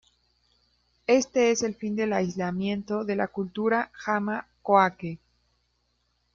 Este es el fin del aislamiento de la Cultura Jama-Coaque.